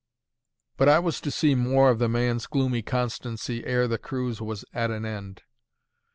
But I was to see more of the man's gloomy constancy ere the cruise was at an end.